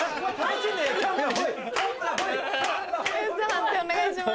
判定お願いします。